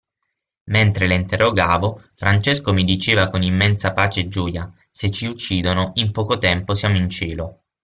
Mentre la interrogavano, Francesco mi diceva con immensa pace e gioia:"Se ci uccidono, in poco tempo siamo in Cielo!".